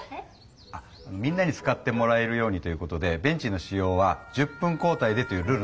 あみんなに使ってもらえるようにということでベンチの使用は１０分交代でというルールになりましたので。